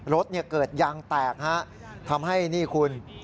รถเกิดยางแตกทำให้นี่คุณ